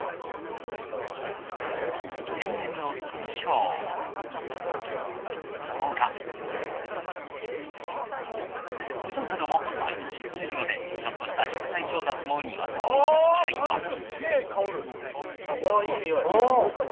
天然の山椒、ミョウガウドなども毎年とれるのでちょっとした食材調達も庭先でできちゃいます。